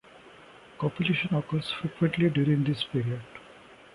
Copulation occurs frequently during this period.